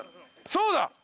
そうだ！